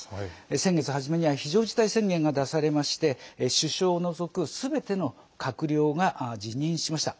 先月初めには非常事態宣言が出されまして首相を除くすべての閣僚が辞任しました。